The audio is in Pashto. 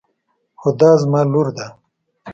هُدا زما لور ده.